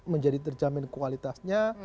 menjadi terjamin kualitasnya